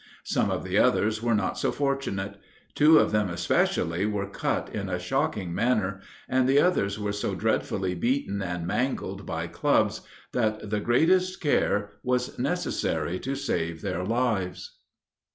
Some of the others were not so fortunate; two of them, especially, were cut in a shocking manner, and the others were so dreadfully beaten and mangled by clubs, that the greatest care was necessary to save their lives.